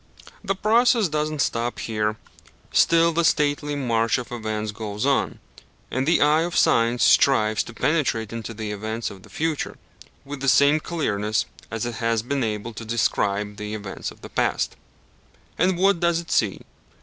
The process does not stop here: still the stately march of events goes on; and the eye of Science strives to penetrate into the events of the future with the same clearness as it has been able to descry the events of the past. And what does it see?